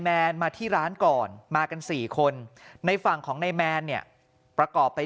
แมนมาที่ร้านก่อนมากัน๔คนในฝั่งของนายแมนเนี่ยประกอบไป